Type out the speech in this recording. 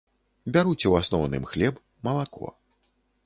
Бяруць у асноўным хлеб, малако.